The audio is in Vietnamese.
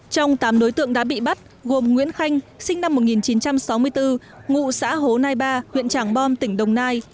trong tám đối tượng đã bị bắt gồm nguyễn khanh sinh năm một nghìn chín trăm sáu mươi bốn ngụ xã hồ nai ba huyện trảng bom tỉnh đồng nai